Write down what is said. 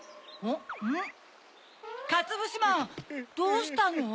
ん？かつぶしまんどうしたの？